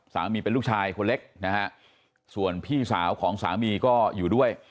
ลูกชายเป็นลูกชายคนเล็กนะฮะส่วนพี่สาวของสามีก็อยู่ด้วย